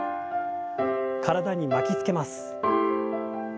体に巻きつけます。